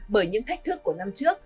bởi những thách thức của năm trước